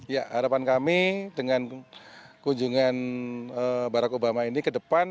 ya harapan kami dengan kunjungan barack obama ini ke depan